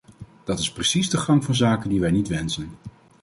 Dat is precies de gang van zaken die wij niet wensen.